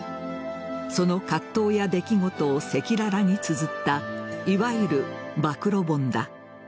その葛藤や出来事を赤裸々につづったいわゆる暴露本だ。